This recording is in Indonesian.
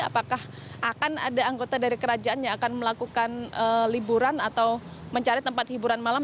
apakah akan ada anggota dari kerajaan yang akan melakukan liburan atau mencari tempat hiburan malam